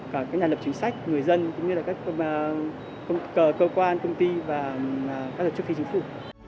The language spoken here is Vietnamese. cả các nhà lập chính sách người dân cũng như là các cơ quan công ty và các lập chức kinh phủ